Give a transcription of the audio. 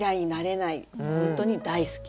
本当に大好き。